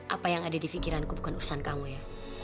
apa yang ada di pikiranku bukan urusan kamu ya